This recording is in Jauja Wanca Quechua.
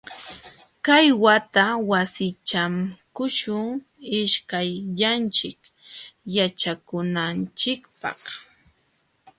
Kay wata wasichakuśhun ishkayllanchik yaćhakunanchikpaq.